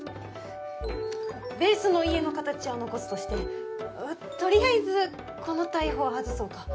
ベースの家の形は残すとしてとりあえずこの大砲は外そうか。